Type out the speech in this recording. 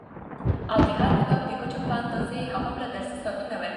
او د هر کتاب د حجم په اندازه يي هغومره درسي ساعتونه ورکړي وي،